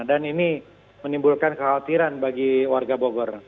dan ini menimbulkan kekhawatiran bagi warga bogor